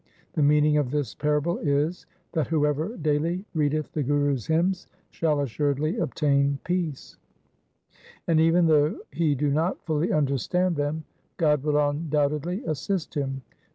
The meaning of this parable is, that whoever daily readeth the Gurus' hymns shall assuredly obtain peace. And even though he do not fully understand SIKH. IV U 2Q0 THE SIKH RELIGION them, God will undoubtedly assist him.